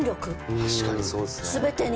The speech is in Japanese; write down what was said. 確かにそうですね。